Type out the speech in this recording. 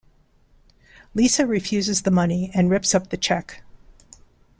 Lisa refuses the money and rips up the cheque.